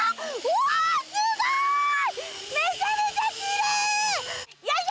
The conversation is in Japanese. うわすごい！